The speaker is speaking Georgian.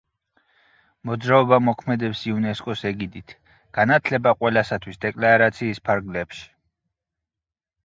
მოძრაობა მოქმედებს იუნესკოს ეგიდით, განათლება ყველასათვის დეკლარაციის ფარგლებში.